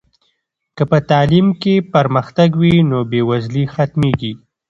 که په تعلیم کې پرمختګ وي نو بې وزلي ختمېږي.